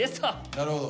なるほど。